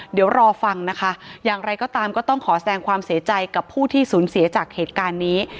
เดี๋ยวรอฟังนะคะอย่างไรก็ตามก็ต้องขอแสงความเสียใจกับผู้ที่สูญเสียจากเหตุการณ์นี้